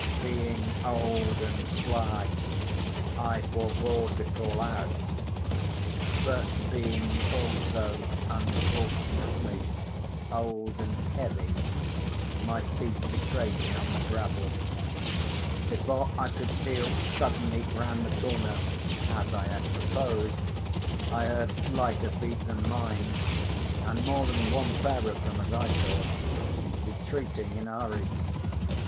Being old and sly, I forbore to call out; but being also, unfortunately, old and heavy, my feet betrayed me on the gravel. Before I could steal suddenly round the corner, as I had proposed, I heard lighter feet than mine—and more than one pair of them as I thought—retreating in a hurry.